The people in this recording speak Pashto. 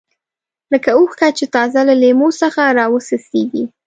لکه اوښکه چې تازه له لیمو څخه راوڅڅېږي.